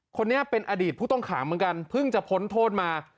คนนี้เป็นอดีตผู้ต้องขังเหมือนกันเพิ่งจะพ้นโทษมา